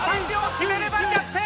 決めれば逆転！